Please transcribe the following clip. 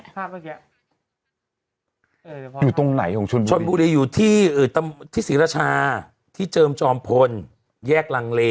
ภาพเมื่อกี้อยู่ตรงไหนของชนบุรีชนบุรีอยู่ที่ศรีราชาที่เจิมจอมพลแยกลังเล